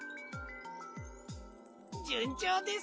じゅんちょうです。